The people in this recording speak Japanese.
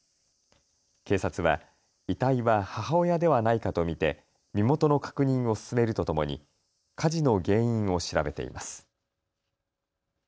警察は遺体は母親ではないかと見て身元の確認を進めるとともに火事の原因を調べています。